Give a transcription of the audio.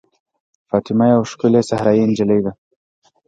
فاطمه یوه ښکلې صحرايي نجلۍ ده.